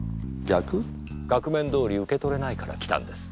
額面どおり受け取れないから来たんです。